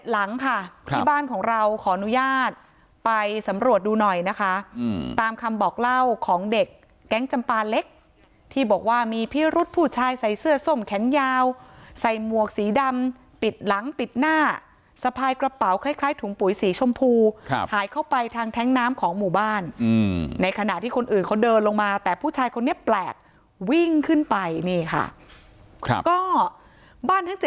หลังค่ะที่บ้านของเราขออนุญาตไปสำรวจดูหน่อยนะคะตามคำบอกเล่าของเด็กแก๊งจำปาเล็กที่บอกว่ามีพิรุษผู้ชายใส่เสื้อส้มแขนยาวใส่หมวกสีดำปิดหลังปิดหน้าสะพายกระเป๋าคล้ายถุงปุ๋ยสีชมพูหายเข้าไปทางแท้งน้ำของหมู่บ้านในขณะที่คนอื่นเขาเดินลงมาแต่ผู้ชายคนนี้แปลกวิ่งขึ้นไปนี่ค่ะครับก็บ้านทั้ง๗